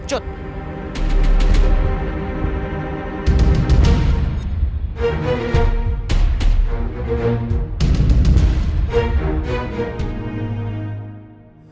kamu tidak berani bersaing denganku kan